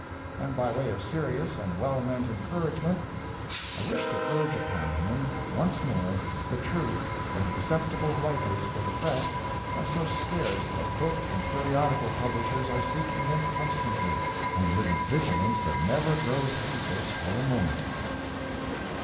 And by way of serious and well meant encouragement, I wish to urge upon him once more the truth that acceptable writers for the press are so scarce that book and periodical publishers are seeking them constantly, and with a vigilance that never grows heedless for a moment.